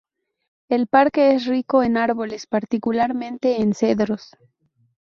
El parque es rico en árboles particularmente en cedros.